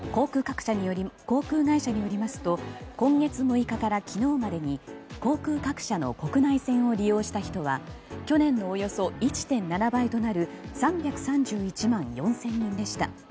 航空会社によりますと今月６日から昨日までに航空各社の国内線を利用した人は去年のおよそ１．７倍となる３３１万４０００にんでした。